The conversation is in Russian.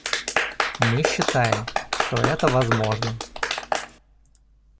Мы считаем, что это возможно.